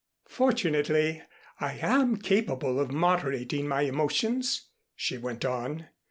"Fortunately, I am capable of moderating my emotions," she went on.